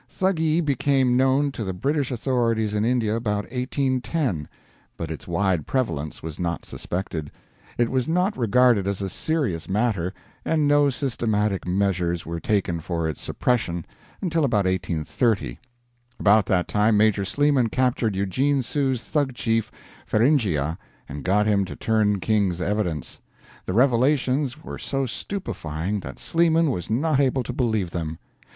Thuggee became known to the British authorities in India about 1810, but its wide prevalence was not suspected; it was not regarded as a serious matter, and no systematic measures were taken for its suppression until about 1830. About that time Major Sleeman captured Eugene Sue's Thug chief, "Feringhea," and got him to turn King's evidence. The revelations were so stupefying that Sleeman was not able to believe them.